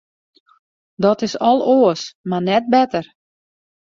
Dat is al oars, mar net better.